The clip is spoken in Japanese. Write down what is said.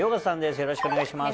よろしくお願いします。